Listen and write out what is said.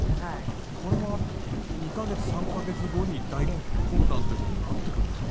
これは２か月、３か月後に大混乱ということになっていくんですか？